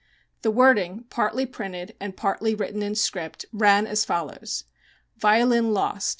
The wording, partly printed and partly written in script, ran as follows: VIOLIN LOST.